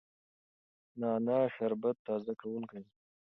نعنا شربت تازه کوونکی دی.